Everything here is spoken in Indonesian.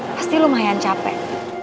pasti lumayan capek